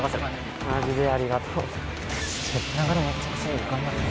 ありがとう。